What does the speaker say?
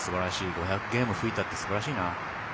５００ゲーム吹いたってすごいな。